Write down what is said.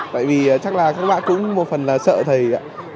tại vì chắc là các bạn cũng một phần là sợ thầy ạ